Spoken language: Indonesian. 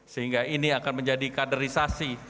sehingga ini akan menjadi kaderisasi